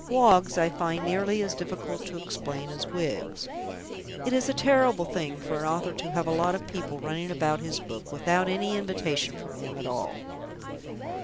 Woggs I find nearly as difficult to explain as Wiggs; it is a terrible thing for an author to have a lot of people running about his book, without any invitation from him at all.